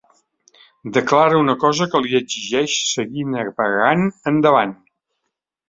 Declara una cosa que li exigeix seguir navegant, endavant.